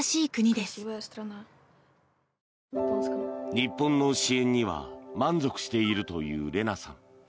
日本の支援には満足しているというレナさん。